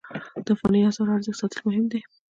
د افغانۍ اسعارو ارزښت ساتل مهم دي